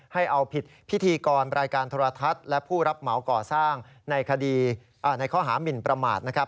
ให้เอาผิดพิธีกรรายการโทรทัศน์และผู้รับเหมาก่อสร้างในคดีในข้อหามินประมาทนะครับ